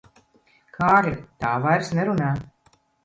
Kārli, tā vairs nerunā.